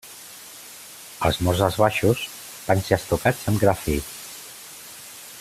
Els murs dels baixos van ser estucats amb gra fi.